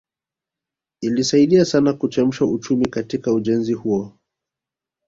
Ilisaidia sana kuchemsha uchumi katika ujenzi huo